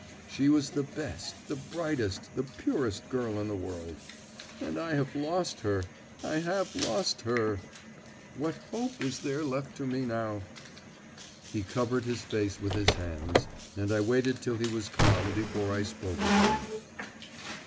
She was the best, the brightest, the purest girl in the world. And I have lost her! I have lost her! What hope is there left to me now?" He covered his face with his hands, and I waited till he was calm before I spoke again.